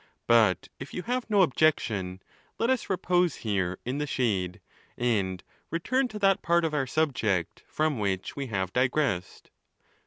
But if you have no objection, let us repose here in the shade, and return to that part of our subject from which we have digressed.